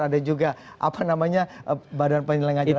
ada juga apa namanya badan penyelenggara jalan tol